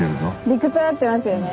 理屈は合ってますよね。